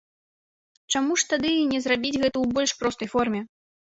Чаму ж тады не зрабіць гэта ў больш простай форме?